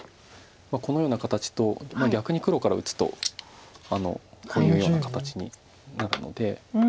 このような形と逆に黒から打つとこういうような形になるので。